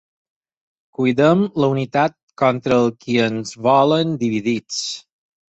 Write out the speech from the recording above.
Cuidem la unitat contra els qui ens volen dividits.